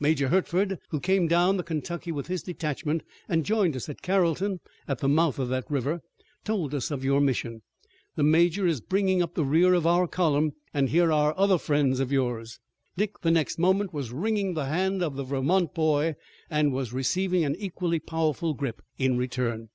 "Major Hertford, who came down the Kentucky with his detachment and joined us at Carrollton at the mouth of that river, told us of your mission. The major is bringing up the rear of our column, but here are other friends of yours." Dick the next moment was wringing the hand of the Vermont boy and was receiving an equally powerful grip in return.